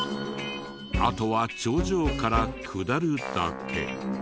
あとは頂上から下るだけ。